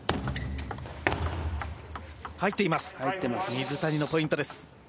水谷のポイントです。